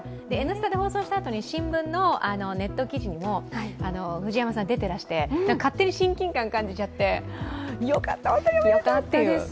「Ｎスタ」で放送したあと、新聞のネット記事でも藤山さんでてらして勝手に親近感感じちゃってよかった、ホントにおめでとう！っていう。